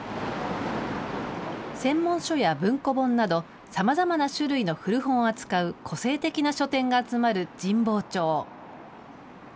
専門書や文庫本など、さまざまな種類の古本を扱う個性的な書店が集まる神保町。